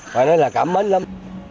hoặc nói là cảm ơn lắm